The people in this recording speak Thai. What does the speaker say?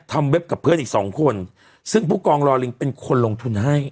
เว็บกับเพื่อนอีกสองคนซึ่งผู้กองรอลิงเป็นคนลงทุนให้